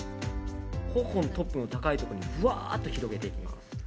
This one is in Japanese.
頬のトップの高いところにぶわっと広げていきます。